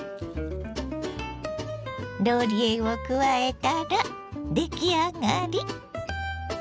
ローリエを加えたら出来上がり。